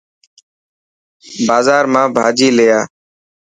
بازار مان ڀاچي لي آءِ.